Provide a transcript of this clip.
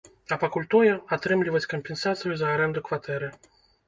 А пакуль тое, атрымліваць кампенсацыю за арэнду кватэры.